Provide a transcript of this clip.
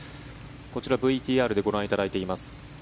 こちら、ＶＴＲでご覧いただいています。